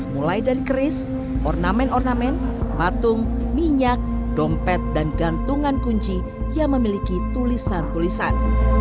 mulai dari keris ornamen ornamen patung minyak dompet dan gantungan kunci yang memiliki tulisan tulisan